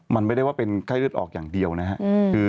มันไม่ได้ว่าเป็นไข้เลือดออกอย่างเดียวนะครับ